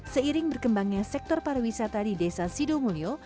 seiring berkembangnya sektor pariwisata di desa sido mulyo